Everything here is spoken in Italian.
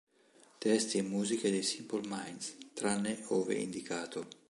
Testi e musiche dei Simple Minds, tranne ove indicato.